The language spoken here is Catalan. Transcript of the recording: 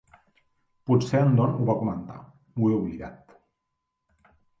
Potser en Don ho va comentar; ho he oblidat.